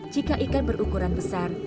jika ikan berukuran besar